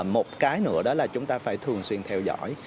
một cái nữa đó là chúng ta phải thường xuyên theo dõi